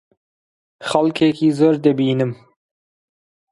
خەڵکێکی زۆر دەبینم.